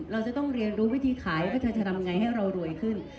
เราจะต้องเรียนรู้วิธีขายว่าเธอจะทำยังไงให้เรารวยขึ้น